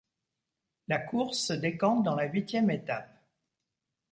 La course se décante dans la huitième étape.